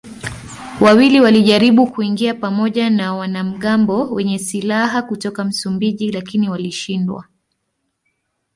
Wawili walijaribu kuingia pamoja na wanamgambo wenye silaha kutoka Msumbiji lakini walishindwa.